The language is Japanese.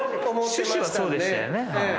趣旨はそうでしたよね。